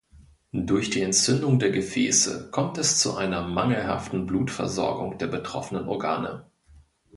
Durch die Entzündung der Gefäße kommt es zu einer mangelhaften Blutversorgung der betroffenen Organe.